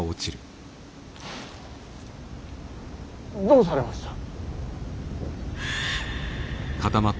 どうされました。